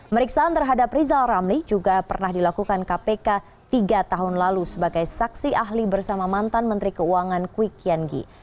meriksaan terhadap rizal ramli juga pernah dilakukan kpk tiga tahun lalu sebagai saksi ahli bersama mantan menteri keuangan kwi kian gi